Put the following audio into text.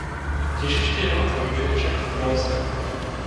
Těžiště jeho tvorby je však v próze.